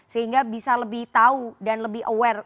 sehingga bisa lebih tahu dan lebih aware